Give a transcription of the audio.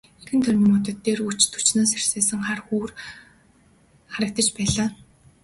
Эргэн тойрны модод дээр өч төчнөөн сагсайсан хар үүр харагдаж байлаа.